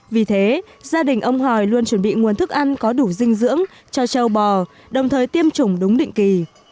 vì thế gia đình ông hoài luôn chuẩn bị nguồn thức ăn có đủ dinh dưỡng cho châu bò đồng thời tiêm chủng đúng định kỳ